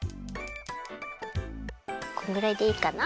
このぐらいでいいかな？